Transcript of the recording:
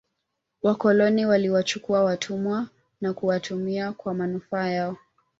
wakoloni waliwachukua watumwa na kuwatumia kwa manufaa yao